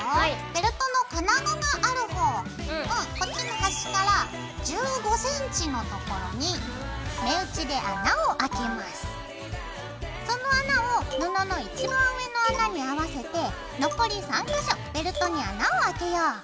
ベルトの金具がある方をこっちの端から１５ｃｍのところにその穴を布の一番上の穴に合わせて残り３か所ベルトに穴をあけよう。